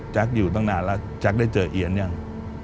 อยู่ตั้งนานแล้วแจ๊คได้เจอเอียนยัง